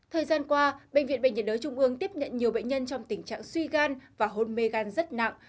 thời gian qua bệnh viện bệnh nhiệt đới trung ương tiếp nhận nhiều bệnh nhân trong tình trạng suy gan và hôn mê gan rất nặng